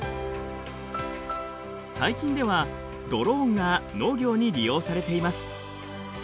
最近ではドローンが農業に利用されています。